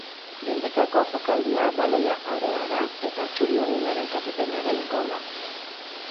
Geldikako jokaldia, baloia areara eta txuri-urdinen kapitainaren gola.